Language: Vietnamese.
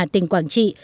tỉnh quảng trị